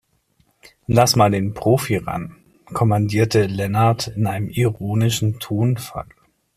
"Lass mal den Profi ran", kommandierte Lennart in einem ironischen Tonfall.